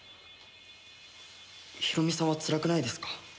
ヒロミさんはつらくないですか？